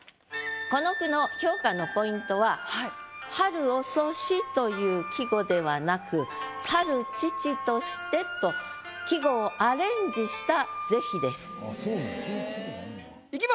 この句の評価のポイントは「春遅し」という季語ではなく「春遅々として」と季語をアレンジした是非です。